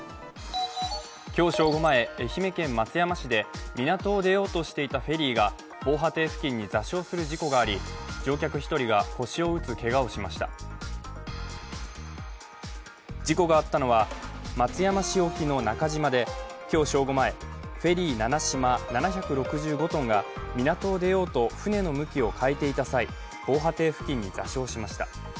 今日正午前、愛媛県松山市で港を出ようとしていたフェリーが防波堤付近に座礁する事故があり乗客１人が腰を打つけがをしました事故があったのは、松山市沖の中島で今日正午前、フェリー「ななしま」７６５ｔが港を出ようと船の向きを変えていた際、防波堤付近に座礁しました。